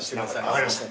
分かりました。